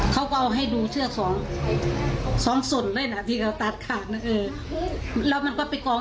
เขาก็เอาให้ดูเชือกของสองส่วนเลยน่ะที่เขาตัดขาดนั่นเออแล้วมันก็ไปกอง